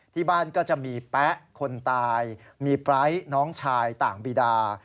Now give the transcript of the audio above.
ก็จะมีแป๊ะคนตายมีปร้ายน้องชายต่างบีดา